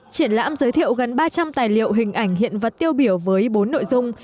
triển lãm giới thiệu gần ba trăm linh tài liệu hình ảnh hiện vật tiêu biểu với bốn nội dung